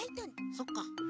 そっか。